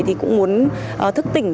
thì cũng muốn thức tỉnh